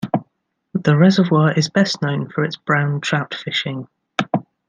The reservoir is best known for its brown trout fishing.